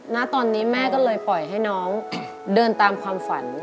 ณตอนนี้แม่ก็เลยปล่อยให้น้องเดินตามความฝัน